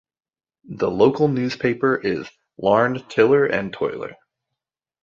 The local newspaper is "Larned Tiller and Toiler".